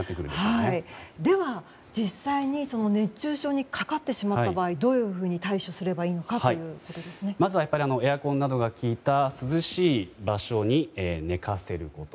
では、実際に熱中症にかかってしまった場合どういうふうにまずはエアコンなどがきいた涼しい場所に寝かせること。